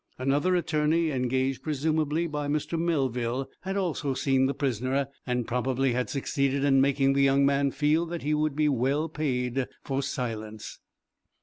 Another attorney, engaged, presumably, by Mr. Melville, had also seen the prisoner, and probably had succeeded in making the young man feel that he would be well paid for silence.